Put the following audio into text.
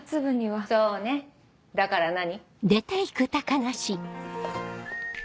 そうねだから何？